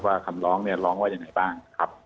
ว่าคำร้องเนี่ยร้องว่าอย่างไรบ้าง